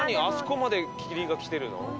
あそこまで霧が来てるの？